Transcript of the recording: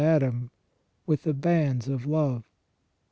Adam, with the bands of love